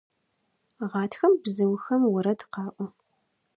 Гъатхэм бзыухэм орэд къаӏо.